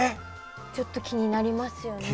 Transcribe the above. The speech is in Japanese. ちょっと気になりますよね。